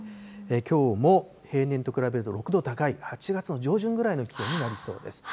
きょうも平年と比べると６度高い８月の上旬ぐらいの気温になりそうです。